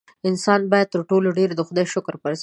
انسان باید تر ټولو ډېر د خدای شکر په ځای کړي.